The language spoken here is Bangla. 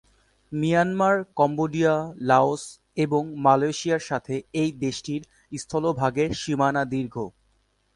মিয়ানমার, কম্বোডিয়া, লাওস এবং মালয়েশিয়ার সাথে এই দেশটির স্থলভাগের সীমানা দীর্ঘ।